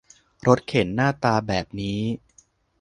รถเข็นหน้าตาแบบนี้